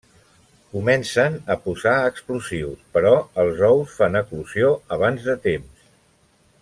Comencen a posar explosius, però els ous fan eclosió abans de temps.